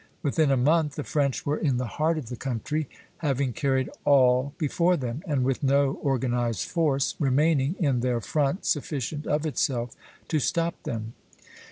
Within a month the French were in the heart of the country, having carried all before them, and with no organized force remaining in their front sufficient of itself to stop them.